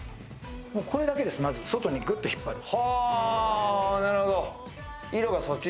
これだけです、まず、外にグッと引っ張る。